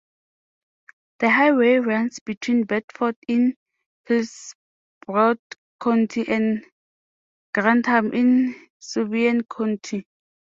The highway runs between Bedford in Hillsborough County and Grantham in Sullivan County.